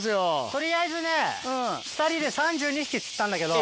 取りあえずね２人で３２匹釣ったんだけど。